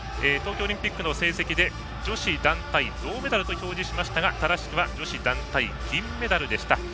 東京オリンピックの成績で女子団体銅メダルと表示しましたが正しくは女子団体銀メダルでした。